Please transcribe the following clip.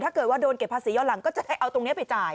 ถ้าเกิดว่าโดนเก็บภาษีย้อนหลังก็จะเอาตรงนี้ไปจ่าย